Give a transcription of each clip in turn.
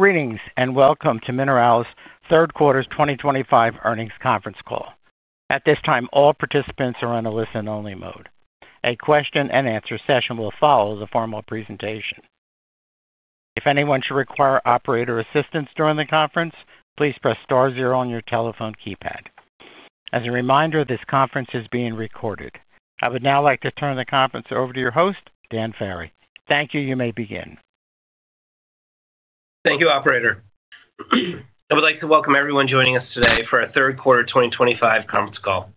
Greetings and welcome to Mineralys Third Quarter 2025 Earnings Conference Call. At this time, all participants are on a listen-only mode. A question-and-answer session will follow the formal presentation. If anyone should require operator assistance during the conference, please press star zero on your telephone keypad. As a reminder, this conference is being recorded. I would now like to turn the conference over to your host, Dan Ferry. Thank you. You may begin. Thank you, Operator. I would like to welcome everyone joining us today for our Third Quarter 2025 Conference Call.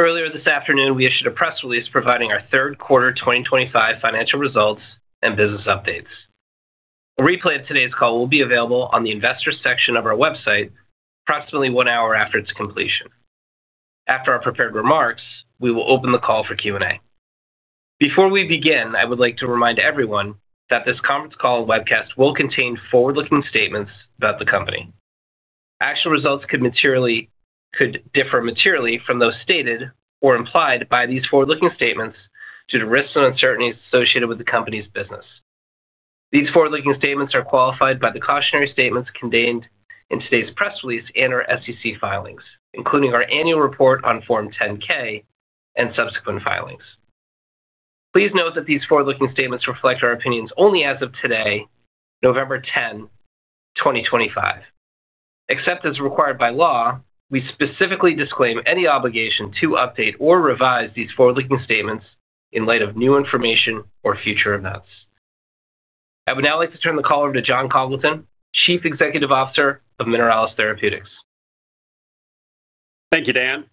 Earlier this afternoon, we issued a press release providing our Third Quarter 2025 financial results and business updates. A replay of today's call will be available on the investor section of our website approximately one hour after its completion. After our prepared remarks, we will open the call for Q&A. Before we begin, I would like to remind everyone that this conference call and webcast will contain Forward-Looking Statements about the company. Actual results could differ materially from those stated or implied by these Forward-Looking Statements due to risks and uncertainties associated with the company's business. These Forward-Looking Statements are qualified by the cautionary statements contained in today's press release and our SEC Filings, including our annual report on Form 10-K and subsequent filings. Please note that these Forward-Looking Statements reflect our opinions only as of today, November 10, 2025. Except as required by law, we specifically disclaim any obligation to update or revise these forward-looking statements in light of new information or future events. I would now like to turn the call over to Jon Congleton, Chief Executive Officer of Mineralys Therapeutics. Thank you, Dan.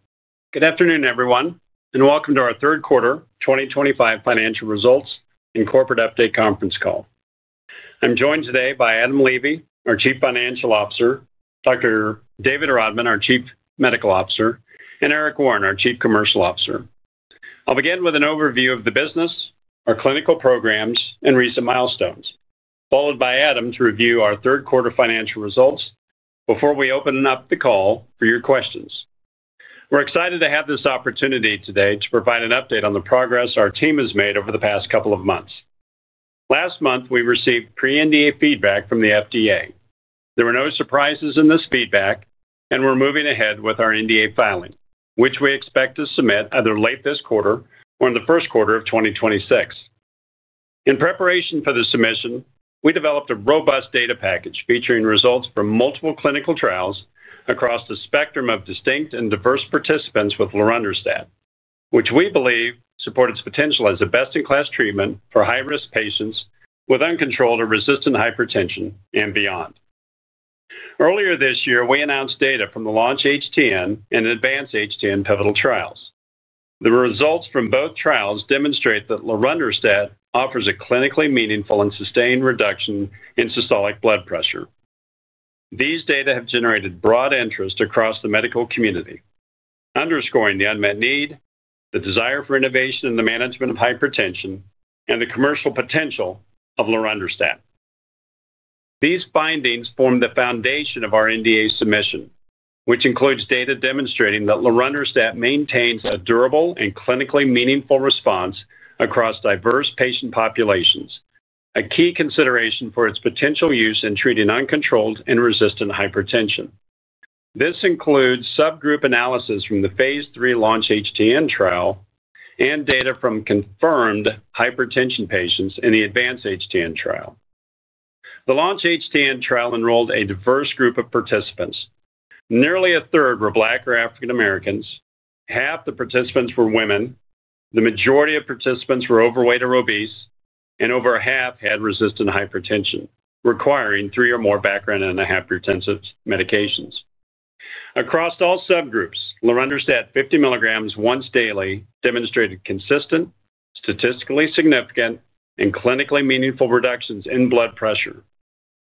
Good afternoon, everyone, and welcome to our Third Quarter 2025 Financial Results and corporate update conference call. I'm joined today by Adam Levy, our Chief Financial Officer, Dr. David Rodman, our Chief Medical Officer, and Eric Warren, our Chief Commercial Officer. I'll begin with an overview of the business, our clinical programs, and recent milestones, followed by Adam to review our Third Quarter Financial Results before we open up the call for your questions. We're excited to have this opportunity today to provide an update on the progress our team has made over the past couple of months. Last month, we received pre-NDA Feedback from the FDA. There were no surprises in this feedback, and we're moving ahead with our NDA Filing, which we expect to submit either late this quarter or in the first quarter of 2026. In preparation for the submission, we developed a Robust Data Package featuring results from multiple clinical trials across the spectrum of distinct and diverse participants with lorundrostat, which we believe support its potential as a best-in-class treatment for high-risk patients with uncontrolled or resistant Hypertension and beyond. Earlier this year, we announced data from the Launch-HTN and Advance-HTN pivotal trials. The results from both trials demonstrate that lorundrostat offers a clinically meaningful and sustained reduction in Systolic Blood Pressure. These data have generated broad interest across the medical community, underscoring the unmet need, the desire for innovation in the management of Hypertension, and the commercial potential of lorundrostat. These findings form the foundation of our NDA submission, which includes data demonstrating that lorundrostat maintains a durable and clinically meaningful response across diverse patient populations, a key consideration for its potential use in treating uncontrolled and Resistant Hypertension. This includes Subgroup Analysis from the phase III Launch-HTN trial and data from confirmed Hypertension Patients in the Advance-HTN trial. The Launch-HTN trial enrolled a diverse group of participants. Nearly a third were Black or African Americans, half the participants were women, the majority of participants were overweight or obese, and over half had resistant Hypertension, requiring three or more background Antihypertensive medications. Across all subgroups, lorundrostat 50 mg once daily demonstrated consistent, statistically significant, and clinically meaningful reductions in Blood Pressure.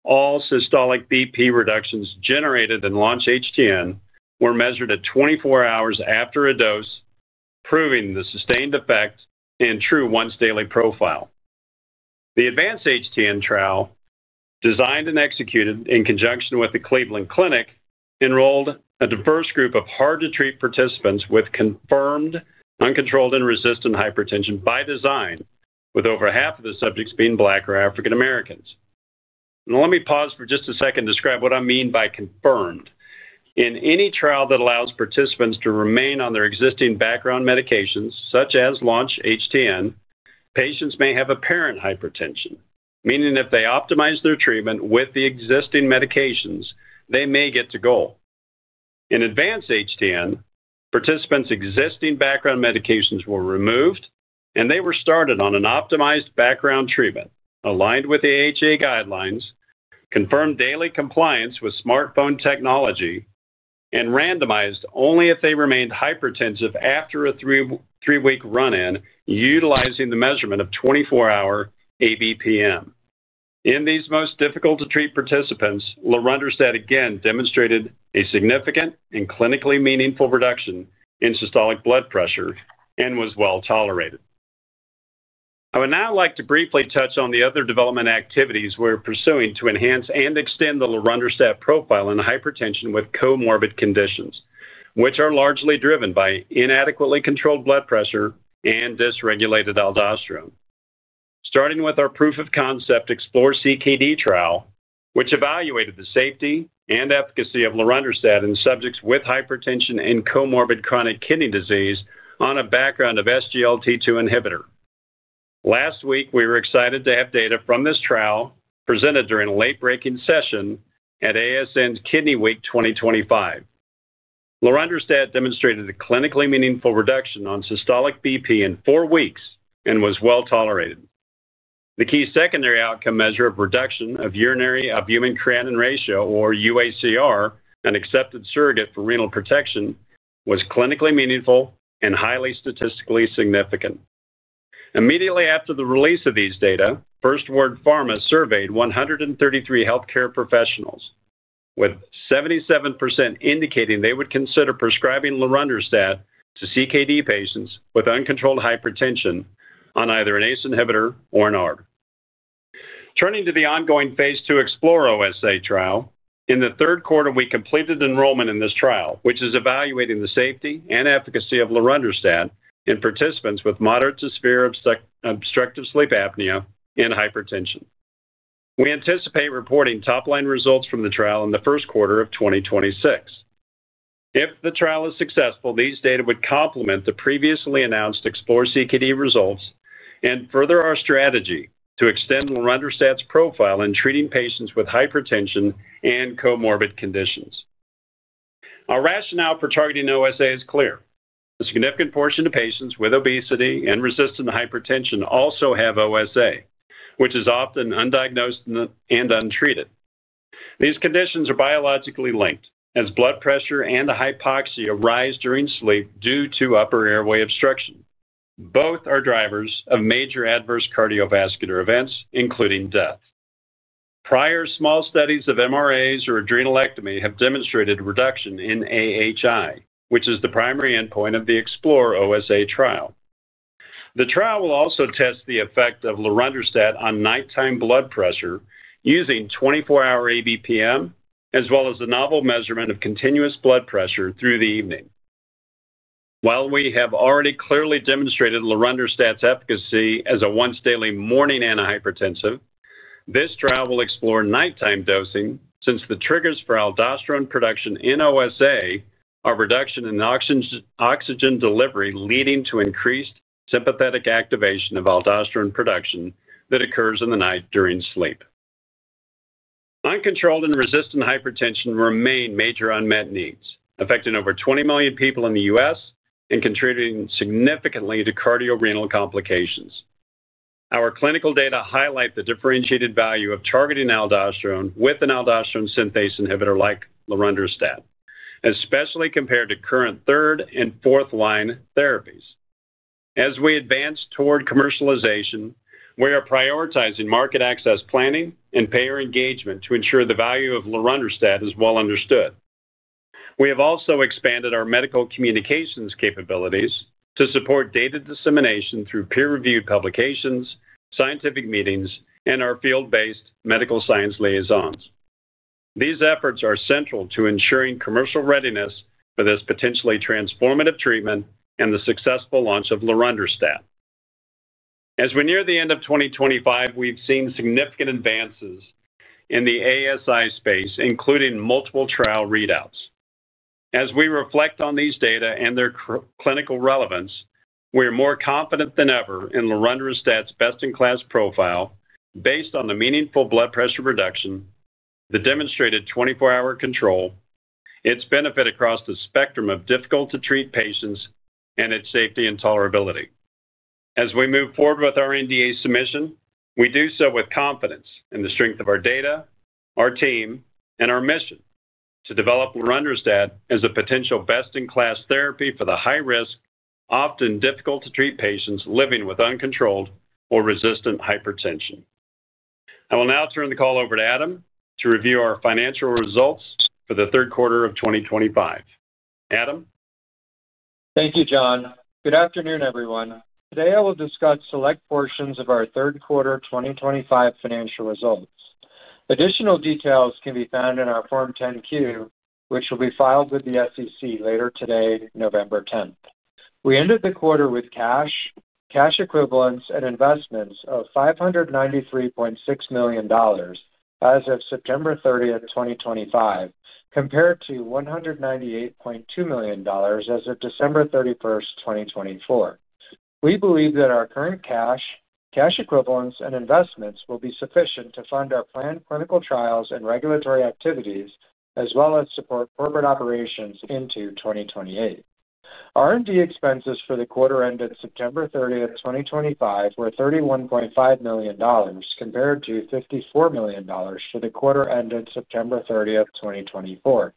All Systolic BP reductions generated in Launch-HTN were measured at 24 hours after a dose, proving the sustained effect and true once-daily profile. The Advance-HTN trial, designed and executed in conjunction with the Cleveland Clinic, enrolled a diverse group of hard-to-treat participants with confirmed uncontrolled and resistant Hypertension by design, with over half of the subjects being Black or African Americans. Now, let me pause for just a second to describe what I mean by confirmed. In any trial that allows participants to remain on their existing background Medications, such as Launch-HTN, patients may have apparent Hypertension, meaning if they optimize their treatment with the existing medications, they may get to goal. In Advance-HTN, participants' existing background medications were removed, and they were started on an optimized background treatment aligned with AHA guidelines, confirmed daily compliance with smartphone technology, and randomized only if they remained hypertensive after a three-week run-in utilizing the measurement of 24-hour ABPM. In these most difficult-to-treat participants, lorundrostat again demonstrated a significant and clinically meaningful reduction in Systolic Blood Pressure and was well tolerated. I would now like to briefly touch on the other development activities we're pursuing to enhance and extend the lorundrostat profile in Hypertension with Comorbid Conditions, which are largely driven by inadequately controlled Blood Pressure and dysregulated Aldosterone. Starting with our proof-of-concept EXPLORE-CKD trial, which evaluated the safety and efficacy of lorundrostat in subjects with Hypertension and Comorbid Chronic Kidney Disease on a background of SGLT2 inhibitor. Last week, we were excited to have data from this trial presented during a late-breaking session at ASN's Kidney Week 2025. lorundrostat demonstrated a clinically meaningful reduction on Systolic BP in four weeks and was well tolerated. The key secondary outcome measure of reduction of Urinary Albumin-Creatinine Ratio, or UACR, an accepted surrogate for renal protection, was clinically meaningful and highly statistically significant. Immediately after the release of these data, First Word Pharma surveyed 133 Healthcare Professionals, with 77% indicating they would consider prescribing lorundrostat to CKD patients with uncontrolled Hypertension on either an ACE inhibitor or an ARB. Turning to the ongoing phase II EXPLORE-OSA trial, in the third quarter, we completed enrollment in this trial, which is evaluating the safety and efficacy of lorundrostat in participants with moderate to severe obstructive sleep apnea and Hypertension. We anticipate reporting top-line results from the trial in the first quarter of 2026. If the trial is successful, these data would complement the previously announced EXPLORE-CKD results and further our strategy to extend lorundrostat's profile in treating patients with Hypertension and Comorbid Conditions. Our rationale for targeting OSA is clear. A significant portion of patients with Obesity and resistant Hypertension also have OSA, which is often undiagnosed and untreated. These conditions are Biologically linked, as Blood Pressure and Hypoxia rise during sleep due to Upper Airway Obstruction. Both are drivers of major adverse Cardiovascular events, including death. Prior small studies of MRAs or adrenalectomy have demonstrated reduction in AHI, which is the primary endpoint of the EXPLORE-OSA trial. The trial will also test the effect of lorundrostat on nighttime Blood Pressure using 24-hour ABPM, as well as a novel measurement of continuous Blood Pressure through the evening. While we have already clearly demonstrated lorundrostat's efficacy as a once-daily morning antihypertensive, this trial will explore nighttime dosing since the triggers for aldosterone production in OSA are reduction in oxygen delivery leading to increased sympathetic activation of aldosterone production that occurs in the night during sleep. Uncontrolled and resistant Hypertension remain major unmet needs, affecting over 20 million people in the U.S. and contributing significantly to cardiorenal complications. Our clinical data highlight the differentiated value of targeting aldosterone with an aldosterone synthase inhibitor like lorundrostat, especially compared to current third and fourth-line therapies. As we advance toward commercialization, we are prioritizing market access planning and payer engagement to ensure the value of lorundrostat is well understood. We have also expanded our medical communications capabilities to support data dissemination through peer-reviewed publications, scientific meetings, and our field-based medical science liaisons. These efforts are central to ensuring commercial readiness for this potentially transformative treatment and the successful launch of lorundrostat. As we near the end of 2025, we've seen significant advances in the ASI space, including multiple trial readouts. As we reflect on these data and their clinical relevance, we are more confident than ever in lorundrostat's best-in-class profile based on the meaningful Blood Pressure reduction, the demonstrated 24-hour control, its benefit across the spectrum of difficult-to-treat patients, and its safety and tolerability. As we move forward with our NDA submission, we do so with confidence in the strength of our data, our team, and our mission to develop lorundrostat as a potential best-in-class therapy for the high-risk, often difficult-to-treat patients living with uncontrolled or resistant Hypertension. I will now turn the call over to Adam to review our financial results for the third quarter of 2025. Adam. Thank you, Jon. Good afternoon, everyone. Today, I will discuss select portions of our third quarter 2025 financial results. Additional details can be found in our Form 10-Q, which will be filed with the SEC later today, November 10th. We ended the quarter with cash, cash equivalents, and investments of $593.6 million as of September 30th, 2025, compared to $198.2 million as of December 31st, 2024. We believe that our current cash, cash equivalents, and investments will be sufficient to fund our planned clinical trials and regulatory activities, as well as support corporate operations into 2028. R&D Expenses for the quarter ended September 30th, 2025, were $31.5 million, compared to $54 million for the quarter ended September 30th, 2024.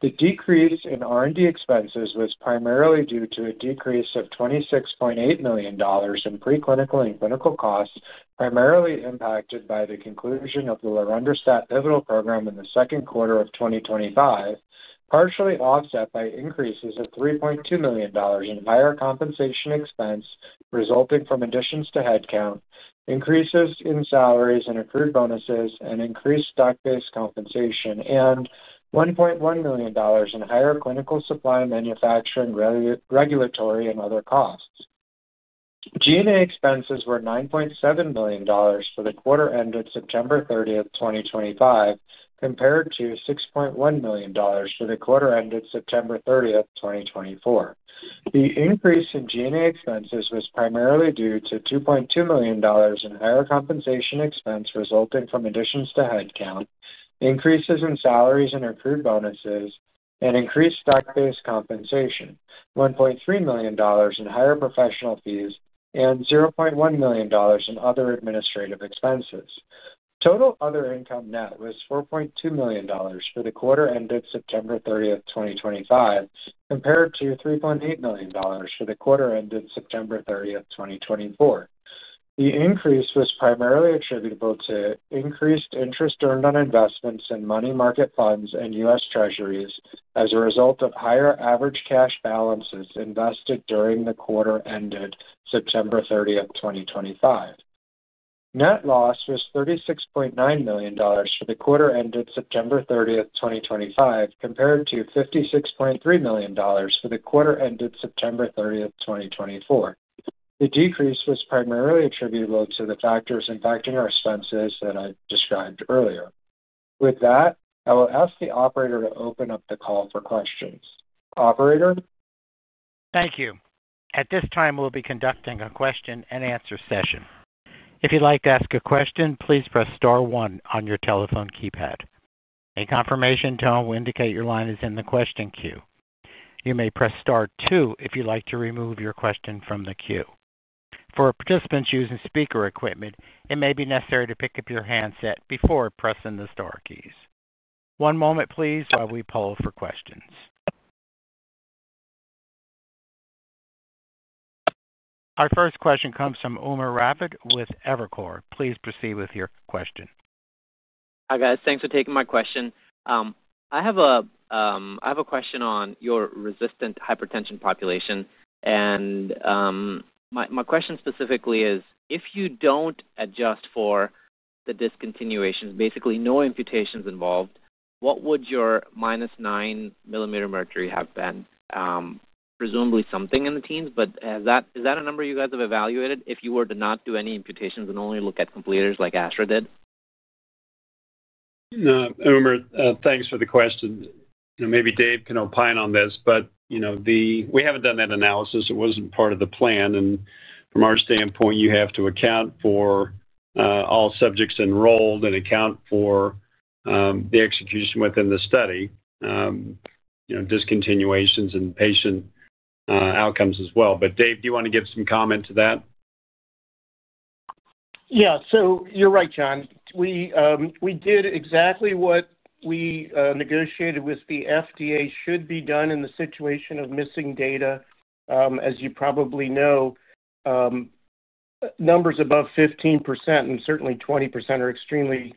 The decrease in R&D Expenses was primarily due to a decrease of $26.8 million in preclinical and clinical costs, primarily impacted by the conclusion of the lorundrostat pivotal program in the second quarter of 2025, partially offset by increases of $3.2 million in Higher Compensation Expense resulting from additions to headcount, increases in salaries and accrued bonuses, and increased stock-based compensation, and $1.1 million in Higher Clinical Supply Manufacturing, regulatory, and other costs. G&A Expenses were $9.7 million for the quarter ended September 30, 2025, compared to $6.1 million for the quarter ended September 30, 2024. The increase in G&A Expenses was primarily due to $2.2 million in Higher Compensation Expense resulting from additions to headcount, increases in Salaries and accrued Bonuses, and increased Stock-based Compensation, $1.3 million in higher Professional Fees, and $0.1 million in other Administrative Expenses. Total other income net was $4.2 million for the quarter ended September 30, 2025, compared to $3.8 million for the quarter ended September 30, 2024. The increase was primarily attributable to increased interest earned on investments in Money Market Funds and U.S. Treasuries as a result of higher average cash balances invested during the quarter ended September 30, 2025. Net loss was $36.9 million for the quarter ended September 30, 2025, compared to $56.3 million for the quarter ended September 30, 2024. The decrease was primarily attributable to the factors impacting our expenses that I described earlier. With that, I will ask the operator to open up the call for questions. Operator. Thank you. At this time, we'll be conducting a question-and-answer session. If you'd like to ask a question, please press star one on your telephone keypad. A confirmation tone will indicate your line is in the question queue. You may press star two if you'd like to remove your question from the queue. For participants using speaker equipment, it may be necessary to pick up your handset before pressing the star keys. One moment, please, while we poll for questions. Our first question comes from Umer Raffat with Evercore. Please proceed with your question. Hi, guys. Thanks for taking my question. I have a question on your Resistant Hypertension Population. My question specifically is, if you do not adjust for the discontinuations, basically no amputations involved, what would your minus 9 mm mercury have been? Presumably something in the teens, but is that a number you guys have evaluated if you were to not do any amputations and only look at completers like Astra did? Thanks for the question. Maybe Dave can opine on this, but we have not done that analysis. It was not part of the plan. From our standpoint, you have to account for all subjects enrolled and account for the execution within the study, discontinuations and patient outcomes as well. Dave, do you want to give some comment to that? Yeah. So you're right, Jon. We did exactly what we negotiated with the FDA should be done in the situation of missing data. As you probably know, numbers above 15% and certainly 20% are extremely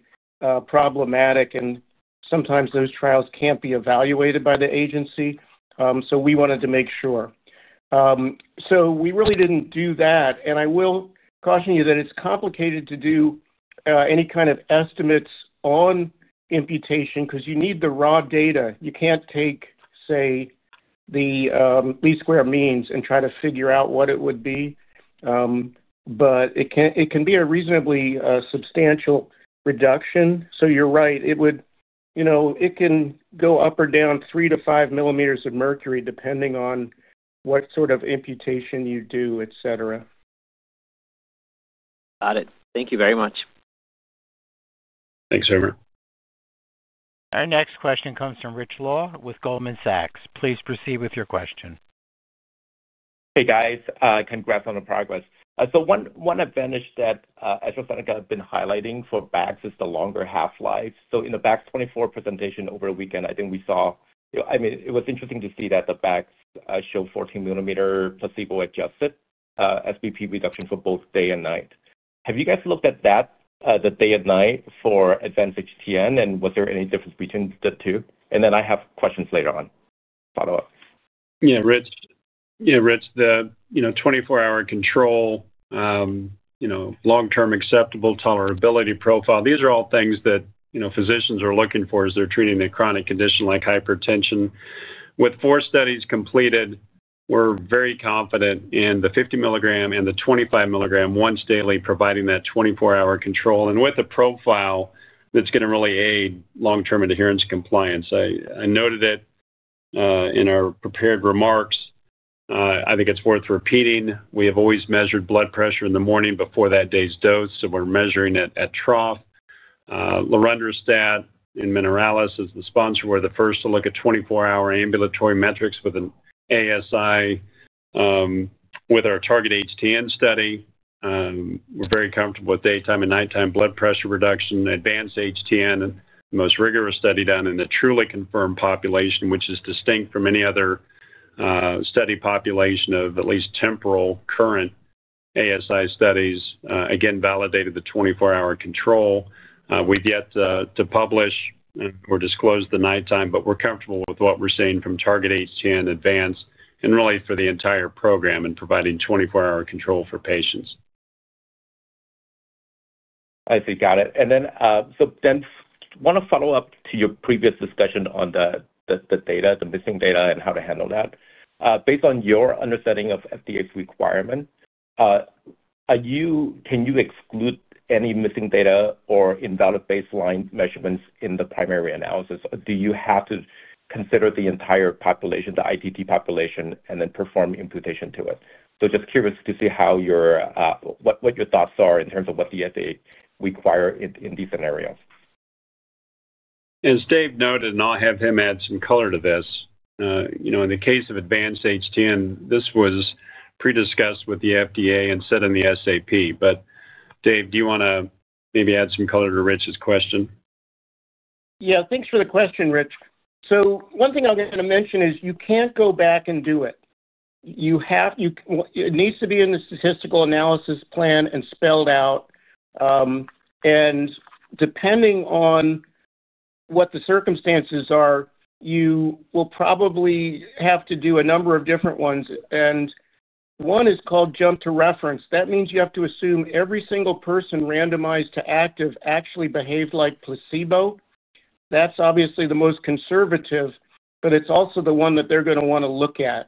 problematic, and sometimes those trials can't be evaluated by the agency. We wanted to make sure. We really didn't do that. I will caution you that it's complicated to do any kind of estimates on amputation because you need the raw data. You can't take, say, the least square means and try to figure out what it would be. It can be a reasonably substantial reduction. You're right. It can go up or down three to five mm of mercury depending on what sort of Amputation you do, etc. Got it. Thank you very much. Thanks, Umer. Our next question comes from Rich Law with Goldman Sachs. Please proceed with your question. Hey, guys. Congrats on the progress. One advantage that AstraZeneca has been highlighting for Bax is the longer half-life. In the Bax24 presentation over the weekend, I think we saw, I mean, it was interesting to see that the Bax show 14 mm placebo-adjusted SBP reduction for both day and night. Have you guys looked at that, the day and night, for Advance-HTN, and was there any difference between the two? I have questions later on, follow-up. Yeah. Rich, yeah, Rich, the 24-hour control, long-term acceptable Tolerability Profile, these are all things that physicians are looking for as they're treating a Chronic Condition like Hypertension. With four studies completed, we're very confident in the 50 milligram and the 25 milligram once daily, providing that 24-hour control and with a profile that's going to really aid long-term adherence compliance. I noted it in our prepared remarks. I think it's worth repeating. We have always measured Blood Pressure in the morning before that day's dose, so we're measuring it at trough. Lorundrostat and Mineralys as the sponsor were the first to look at 24-hour Ambulatory Metrics with an ASI with our target HTN study. We're very comfortable with daytime and nighttime Blood Pressure reduction, Advance-HTN, and the most rigorous study done in a truly confirmed population, which is distinct from any other study population of at least temporal current ASI studies, again, validated the 24-hour control. We've yet to publish or disclose the nighttime, but we're comfortable with what we're seeing from target HTN, Advance, and really for the entire program in providing 24-hour control for patients. I see. Got it. And then want to follow up to your previous discussion on the data, the missing data, and how to handle that. Based on your understanding of FDA's requirement, can you exclude any missing data or invalid baseline measurements in the primary analysis, or do you have to consider the entire population, the ITT population, and then perform imputation to it? Just curious to see what your thoughts are in terms of what the FDA requires in these scenarios. As Dave noted, and I'll have him add some color to this. In the case of Advance-HTN, this was prediscussed with the FDA and set in the SAP. Dave, do you want to maybe add some color to Rich's question? Yeah. Thanks for the question, Rich. One thing I'm going to mention is you can't go back and do it. It needs to be in the statistical analysis plan and spelled out. Depending on what the circumstances are, you will probably have to do a number of different ones. One is called jump to reference. That means you have to assume every single person randomized to active actually behaved like placebo. That's obviously the most conservative, but it's also the one that they're going to want to look at.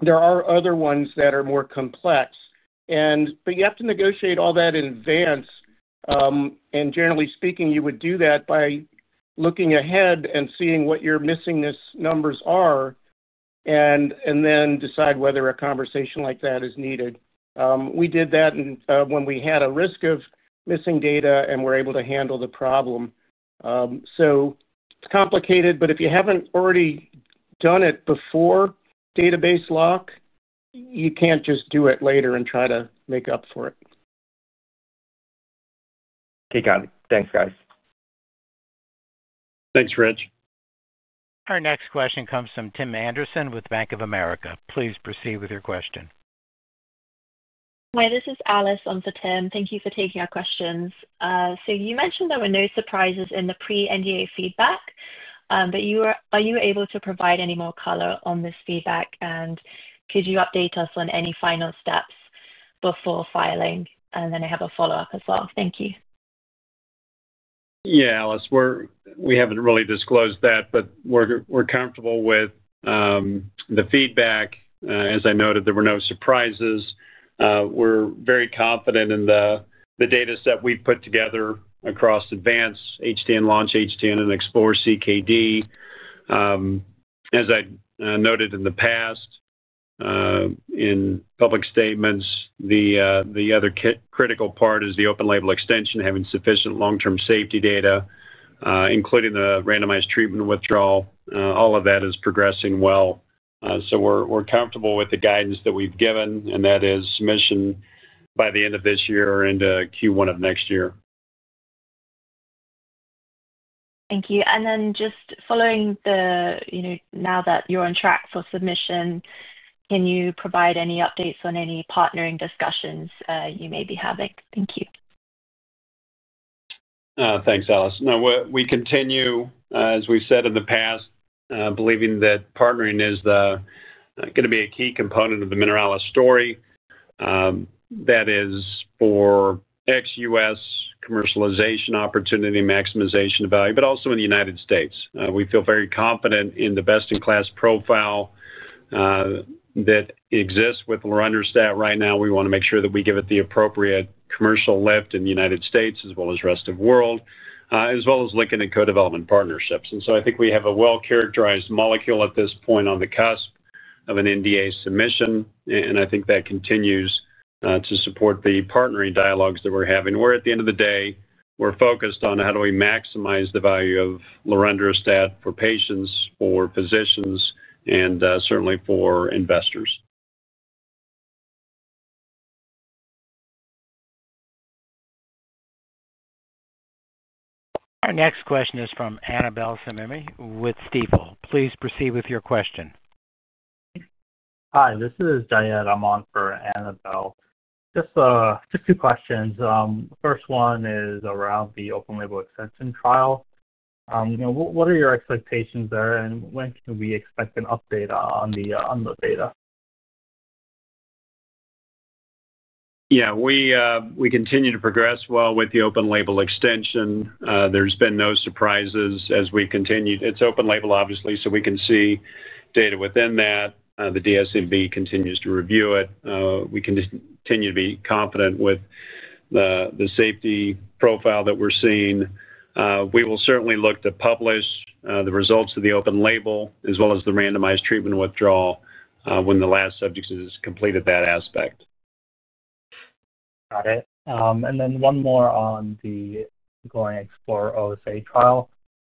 There are other ones that are more complex. You have to negotiate all that in Advance. Generally speaking, you would do that by looking ahead and seeing what your missing numbers are and then decide whether a conversation like that is needed. We did that when we had a risk of missing data and were able to handle the problem. It is complicated, but if you have not already done it before database lock, you cannot just do it later and try to make up for it. Okay. Got it. Thanks, guys. Thanks, Rich. Our next question comes from Tim Anderson with Bank of America. Please proceed with your question. Hi, this is Alice on for Tim. Thank you for taking our questions. You mentioned there were no surprises in the pre-NDA Feedback, but are you able to provide any more color on this feedback? Could you update us on any final steps before Filing? I have a follow-up as well. Thank you. Yeah, Alice, we haven't really disclosed that, but we're comfortable with the feedback. As I noted, there were no surprises. We're very confident in the data set we've put together across Advance-HTN, Launch-HTN, and Explore CKD. As I noted in the past, in public statements, the other critical part is the open label extension, having sufficient long-term Safety Data, including the randomized treatment withdrawal. All of that is progressing well. We're comfortable with the guidance that we've given, and that is submission by the end of this year or into Q1 of next year. Thank you. And then just following the now that you're on track for submission, can you provide any updates on any partnering discussions you may be having? Thank you. Thanks, Alice. No, we continue, as we've said in the past, believing that partnering is going to be a key component of the Mineralys story. That is for ex-U.S. Commercialization Opportunity Maximization Value, but also in the United States. We feel very confident in the best-in-class profile that exists with lorundrostat right now. We want to make sure that we give it the appropriate commercial lift in the United States as well as the rest of the world, as well as looking at co-development partnerships. I think we have a well-characterized molecule at this point on the cusp of an NDA Submission, and I think that continues to support the partnering dialogues that we're having. Where at the end of the day, we're focused on how do we maximize the value of lorundrostat for patients, for physicians, and certainly for investors. Our next question is from Annabel Samimy with Stifel. Please proceed with your question. Hi, this is Diane Amon for Annabel. Just two questions. The first one is around the open label extension trial. What are your expectations there, and when can we expect an update on the data? Yeah. We continue to progress well with the open label extension. There's been no surprises as we've continued. It's open label, obviously, so we can see data within that. The DSMB continues to review it. We can continue to be confident with the safety profile that we're seeing. We will certainly look to publish the results of the open label as well as the Randomized Treatment Withdrawal when the last subject has completed that aspect. Got it. And then one more on the ongoing EXPLORE-OSA trial.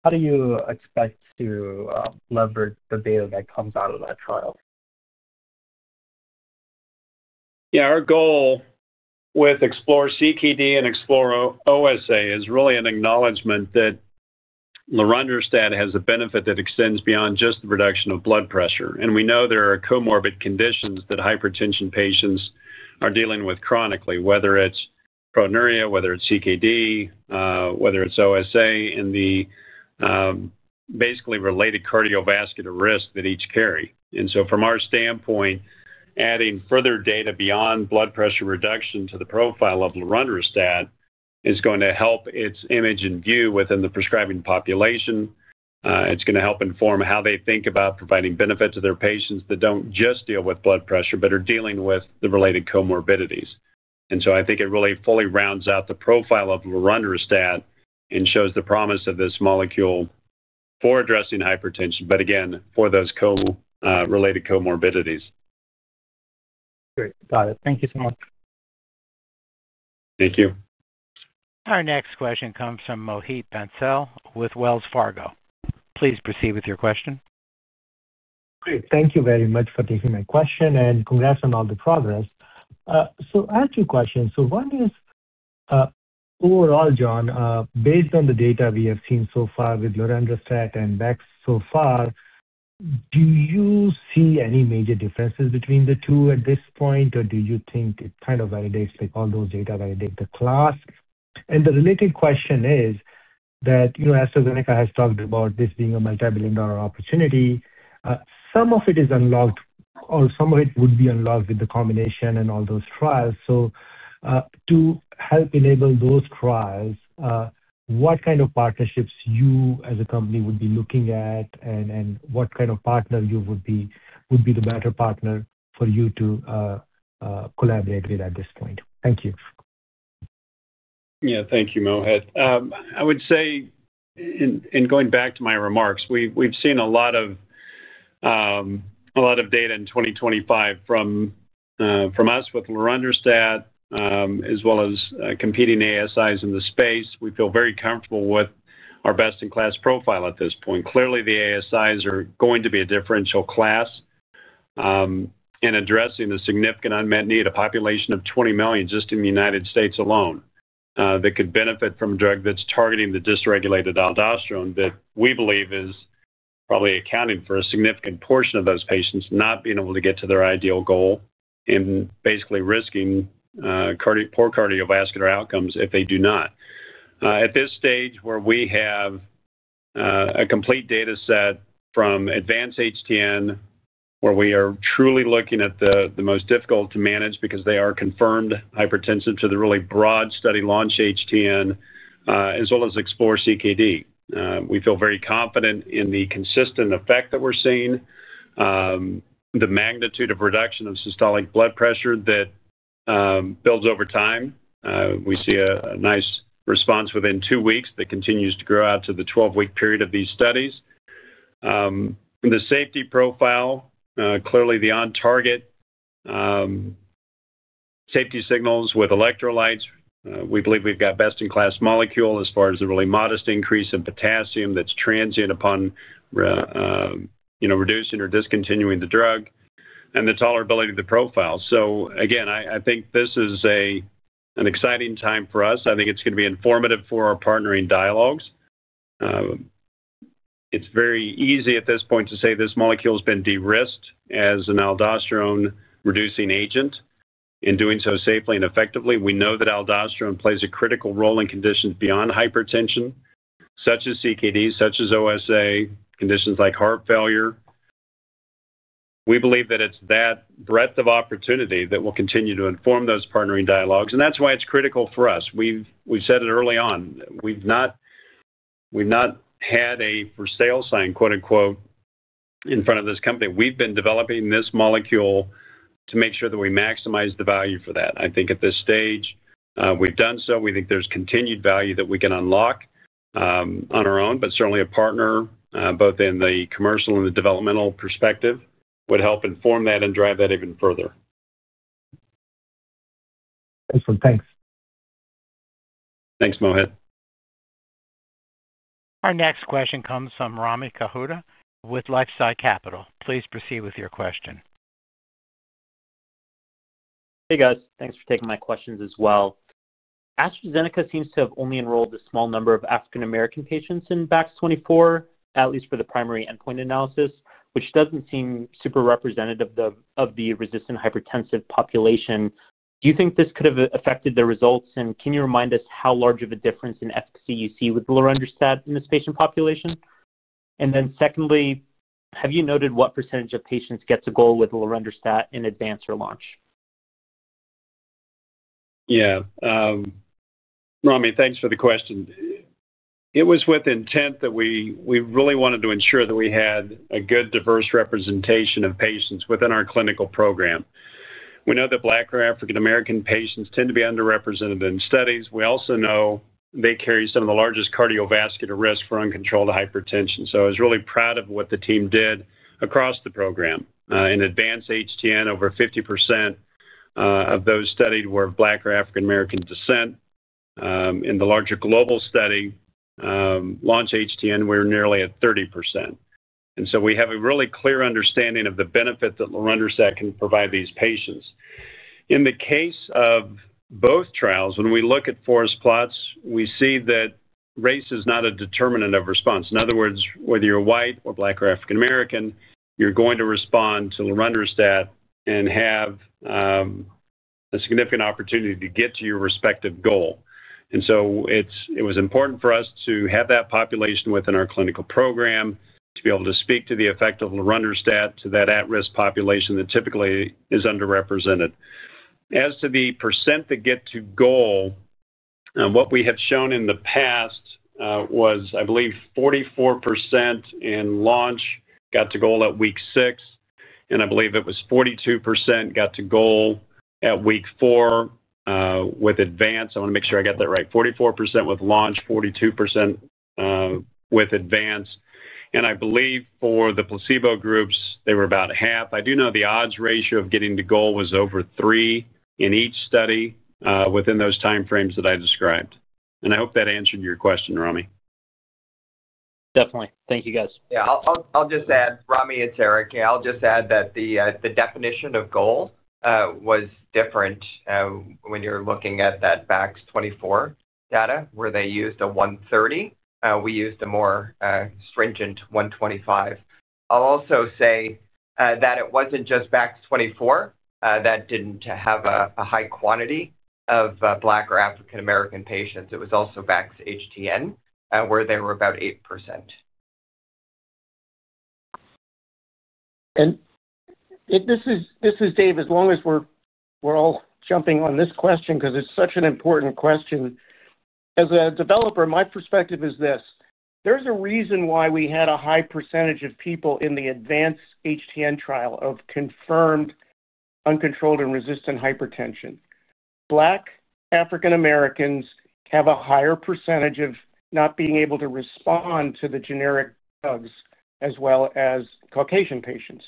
How do you expect to Leverage the data that comes out of that trial? Yeah. Our goal with Explore CKD and Explore OSA is really an acknowledgment that lorundrostat has a benefit that extends beyond just the reduction of Blood Pressure. We know there are comorbid conditions that Hypertension patients are dealing with chronically, whether it's proteinuria, whether it's CKD, whether it's OSA, and the basically related Cardiovascular Risk that each carry. From our standpoint, adding further data beyond Blood Pressure reduction to the profile of lorundrostat is going to help its image and view within the prescribing population. It's going to help inform how they think about providing benefit to their patients that do not just deal with Blood Pressure, but are dealing with the related comorbidities. I think it really fully rounds out the profile of lorundrostat and shows the promise of this molecule for addressing Hypertension, but again, for those related Comorbidities. Great. Got it. Thank you so much. Thank you. Our next question comes from Mohit Bansal with Wells Fargo. Please proceed with your question. Great. Thank you very much for taking my question, and congrats on all the progress. I have two questions. One is, overall, Jon, based on the data we have seen so far with lorundrostat and Bax so far, do you see any major differences between the two at this point, or do you think it kind of validates all those data that. The class? The related question is that AstraZeneca has talked about this being a multi-billion dollar opportunity. Some of it is unlocked, or some of it would be unlocked with the combination and all those trials. To help enable those trials, what kind of partnerships you as a company would be looking at, and what kind of partner would be the better partner for you to collaborate with at this point? Thank you. Yeah. Thank you, Mohit. I would say, in going back to my remarks, we've seen a lot of data in 2025 from us with lorundrostat as well as competing ASIs in the space. We feel very comfortable with our best-in-class profile at this point. Clearly, the ASIs are going to be a differential class in addressing the significant unmet need of a population of 20 million just in the U.S. alone that could benefit from a drug that's targeting the dysregulated Aldosterone that we believe is probably accounting for a significant portion of those patients not being able to get to their ideal goal and basically risking poor Cardiovascular outcomes if they do not. At this stage where we have a complete data set from Advance-HTN, where we are truly looking at the most difficult to manage because they are confirmed hypertensive to the really broad study, Launch-HTN, as well as Explore CKD. We feel very confident in the consistent effect that we're seeing, the magnitude of reduction of Systolic Blood Pressure that builds over time. We see a nice response within two weeks that continues to grow out to the 12-week period of these studies. The safety profile, clearly the on-target safety signals with electrolytes. We believe we've got best-in-class molecule as far as the really modest increase in Potassium that's transient upon reducing or discontinuing the drug, and the tolerability of the profile. I think this is an exciting time for us. I think it's going to be informative for our partnering dialogues. It's very easy at this point to say this molecule has been de-risked as an aldosterone-reducing agent and doing so safely and effectively. We know that Aldosterone plays a critical role in conditions beyond Hypertension such as CKD, such as OSA, conditions like Heart Failure. We believe that it's that breadth of opportunity that will continue to inform those partnering dialogues. That is why it's critical for us. We've said it early on. We've not had a for-sale sign in front of this company. We've been developing this molecule to make sure that we maximize the value for that. I think at this stage we've done so. We think there's continued value that we can unlock on our own, but certainly a partner, both in the commercial and the developmental perspective, would help inform that and drive that even further. Excellent. Thanks. Thanks, Mohit. Our next question comes from Rami Katkhuda with LifeSci Capital. Please proceed with your question. Hey, guys. Thanks for taking my questions as well. AstraZeneca seems to have only enrolled a small number of African-American patients in Bax24, at least for the primary endpoint analysis, which does not seem super representative of the resistant hypertensive population. Do you think this could have affected the results? Can you remind us how large of a difference in efficacy you see with lorundrostat in this patient population? Secondly, have you noted what percentage of patients get to goal with lorundrostat in Advance or Launch? Yeah. Rami, thanks for the question. It was with intent that we really wanted to ensure that we had a good diverse representation of patients within our clinical program. We know that Black or African-American patients tend to be underrepresented in studies. We also know they carry some of the largest cardiovascular risk for uncontrolled Hypertension. I was really proud of what the team did across the program. In Advance-HTN, over 50% of those studied were Black or African-American descent. In the larger global study, Launch-HTN, we were nearly at 30%. We have a really clear understanding of the benefit that lorundrostat can provide these patients. In the case of both trials, when we look at forest plots, we see that race is not a determinant of response. In other words, whether you're White or Black or African-American, you're going to respond to lorundrostat and have a significant opportunity to get to your respective goal. It was important for us to have that population within our clinical program to be able to speak to the effect of lorundrostat to that at-risk population that typically is underrepresented. As to the % that get to goal, what we have shown in the past was, I believe, 44% in Launch got to goal at week six, and I believe it was 42% got to goal at week four with Advance. I want to make sure I got that right. 44% with Launch, 42% with Advance. I believe for the placebo groups, they were about half. I do know the odds ratio of getting to goal was over three in each study within those time frames that I described. I hope that answered your question, Rami. Definitely. Thank you, guys. Yeah. I'll just add, Rami and Tarek, yeah, I'll just add that the definition of goal was different when you're looking at that Bax24 data where they used a 130. We used a more stringent 125. I'll also say that it wasn't just Bax24 that didn't have a high quantity of Black or African-American patients. It was also BaxHTN where they were about 8%. This is David. As long as we're all jumping on this question because it's such an important question, as a developer, my perspective is this: there's a reason why we had a high % of people in the Advance-HTN trial of confirmed uncontrolled and resistant Hypertension. Black African-Americans have a higher % of not being able to respond to the generic drugs as well as Caucasian patients.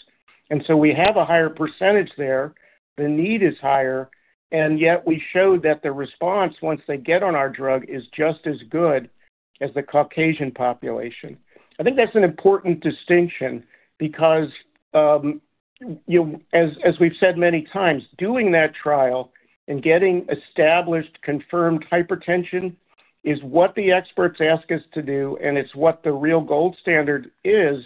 We have a higher % there. The need is higher. Yet we showed that the response once they get on our drug is just as good as the Caucasian population. I think that's an important distinction because, as we've said many times, doing that trial and getting established confirmed Hypertension is what the experts ask us to do, and it's what the real gold standard is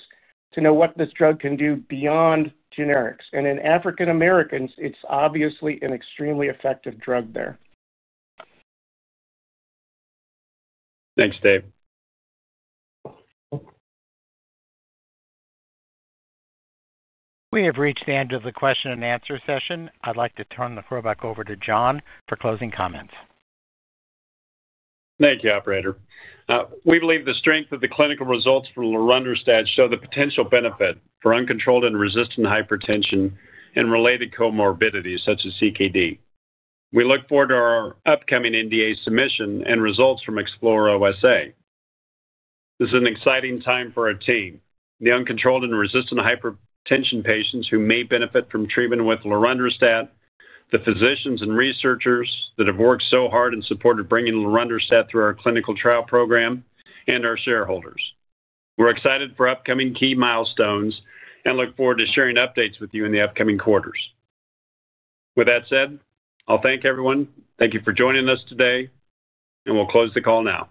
to know what this drug can do beyond generics. In African-Americans, it's obviously an extremely effective drug there. Thanks, Dave. We have reached the end of the question and answer session. I'd like to turn the floor back over to Jon for closing comments. Thank you, operator. We believe the strength of the clinical results from lorundrostat show the potential benefit for uncontrolled and resistant Hypertension and related comorbidities such as CKD. We look forward to our upcoming NDA submission and results from EXPLORE-OSA. This is an exciting time for our team, the uncontrolled and resistant Hypertension patients who may benefit from treatment with lorundrostat, the physicians and researchers that have worked so hard and supported bringing lorundrostat through our clinical trial program, and our shareholders. We're excited for upcoming key milestones and look forward to sharing updates with you in the upcoming quarters. With that said, I'll thank everyone. Thank you for joining us today, and we'll close the call now.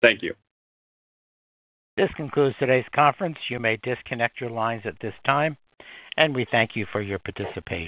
Thank you. This concludes today's conference. You may disconnect your lines at this time, and we thank you for your participation.